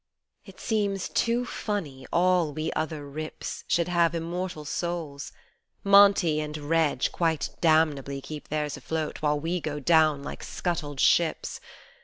It seems too funny all we other rips Should have immortal souls ; Monty and Redge quite damnably Keep theirs afloat while we go down like scuttled ships.